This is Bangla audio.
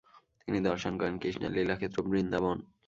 তিনি দর্শন করেন কৃষ্ণের লীলাক্ষেত্র বৃন্দাবন।